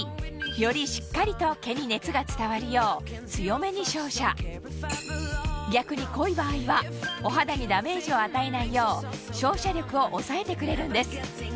よりしっかりと毛に熱が伝わるよう強めに照射逆に濃い場合はお肌にダメージを与えないよう照射力を抑えてくれるんです